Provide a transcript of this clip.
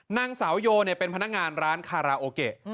นางสาวโยเป็นพนักงานร้านคาราโอเกะ